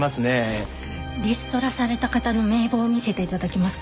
リストラされた方の名簿を見せて頂けますか？